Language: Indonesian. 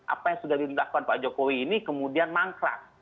apa yang sudah dilakukan pak jokowi ini kemudian mangkrak